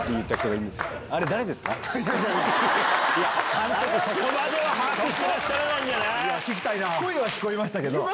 監督そこまでは把握してないんじゃない？